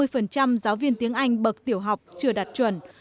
nhiều phần trăm giáo viên tiếng anh bậc tiểu học chưa đạt chuẩn